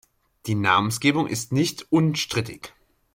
Die Namensgebung ist nicht unstrittig.